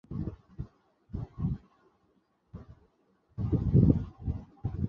তবে রাজনীতির মাঠ শান্ত করতে কোনো স্পষ্ট সমাধান দেখা যাচ্ছে না।